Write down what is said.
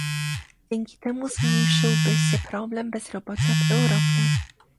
Dzięki temu zmniejszyłby się problem bezrobocia w Europie